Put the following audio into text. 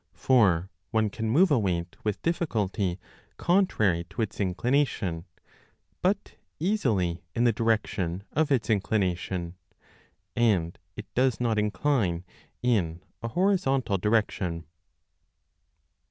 For one can move 4 a weight with difficulty contrary to its inclination, but easily in the direc tion of its inclination ; and it does not incline in a horizontal direction.